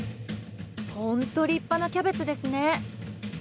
本当立派なキャベツですね。